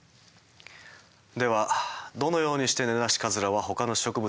ではどのようにしてネナシカズラはほかの植物のヒモになるのか？